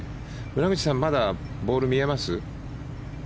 村口さんまだボール見えます？